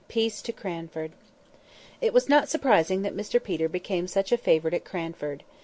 PEACE TO CRANFORD IT was not surprising that Mr Peter became such a favourite at Cranford.